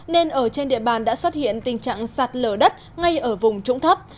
nên ở trên địa bàn đã xuất hiện tình trạng sạt lở đất ngay ở vùng trũng thấp